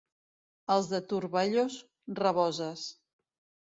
Els de Turballos, raboses.